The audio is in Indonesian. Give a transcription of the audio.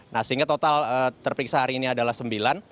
nah sehingga total terperiksa hari ini adalah sembilan